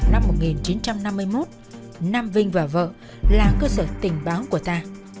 trong thời quân pháp tạp chiến từ khoảng năm một nghìn chín trăm năm mươi một nam vinh và vợ là cơ sở tình báo của ta